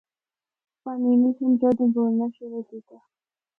پانینی سنڑ جدوں بولنا شروع کیتا۔